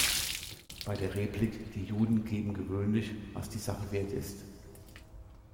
Bei der Replik "„Die Juden geben gewöhnlich, was die Sache wert ist.